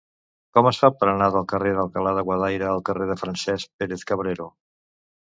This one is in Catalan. Com es fa per anar del carrer d'Alcalá de Guadaira al carrer de Francesc Pérez-Cabrero?